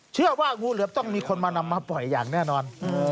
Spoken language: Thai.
เชื่อว่างูเหลือมต้องมีคนมานำมาปล่อยอย่างแน่นอน